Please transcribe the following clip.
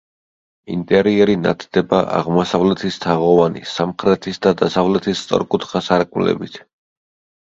ინტერიერი ნათდება აღმოსავლეთის თაღოვანი, სამხრეთის და დასავლეთის სწორკუთხა სარკმლებით.